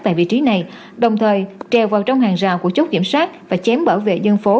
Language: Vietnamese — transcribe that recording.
tại vị trí này đồng thời treo vào trong hàng rào của chốt kiểm soát và chém bảo vệ dân phố